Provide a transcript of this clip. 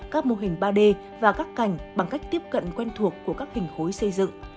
các mô hình ba d và các cành bằng cách tiếp cận quen thuộc của các hình khối xây dựng